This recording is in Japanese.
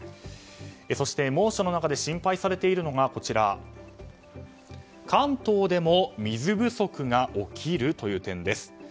そして猛暑の中で心配されているのが関東でも水不足が起きる？という点です。